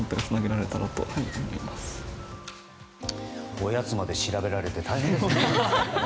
おやつまで調べられて大変ですね。